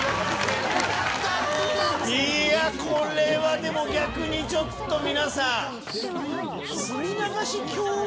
これはでも逆にちょっと皆さん。